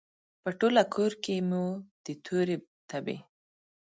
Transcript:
په ټوله کورکې کې مو د تورې تبې،